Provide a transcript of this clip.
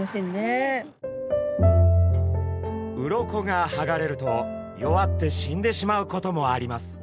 鱗がはがれると弱って死んでしまうこともあります。